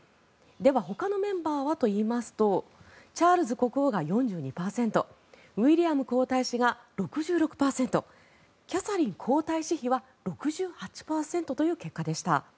では、ほかのメンバーはと言いますとチャールズ国王が４２％ウィリアム皇太子が６６％キャサリン皇太子妃は６８％という結果でした。